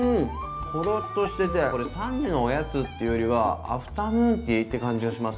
ホロッとしててこれ３時のおやつっていうよりはアフタヌーンティーって感じがします。